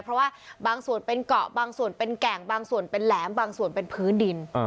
เพราะว่าบางส่วนเป็นเกาะบางส่วนเป็นแก่งบางส่วนเป็นแหลมบางส่วนเป็นพื้นดิน